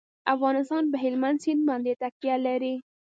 افغانستان په هلمند سیند باندې تکیه لري.